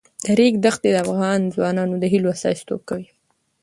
د ریګ دښتې د افغان ځوانانو د هیلو استازیتوب کوي.